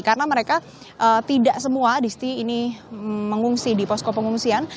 karena mereka tidak semua di sini mengungsi di posko pengungsian